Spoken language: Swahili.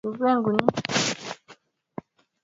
nzuri za kusafiri fikiria vivutio vidogo vya